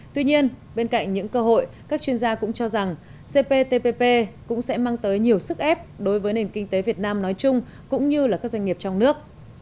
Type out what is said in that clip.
tuy nhiên bên cạnh những cơ hội các chuyên gia cũng cho rằng cptpp cũng sẽ mang tới nhiều sức ép đối với nền kinh tế việt nam nói chung cũng như các doanh nghiệp trong nước